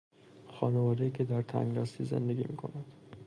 خانوادهای که در تنگدستی زندگی میکند